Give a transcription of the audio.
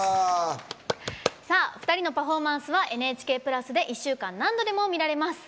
２人のパフォーマンスは「ＮＨＫプラス」で１週間、何度でも見られます。